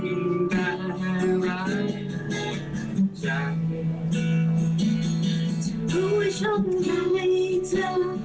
พูดว่าฉันไม่เธอขอให้เธอ